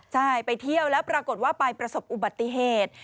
ใช่ไปเที่ยวแล้วปรากฏว่าไปประสบอุบัติเหตุ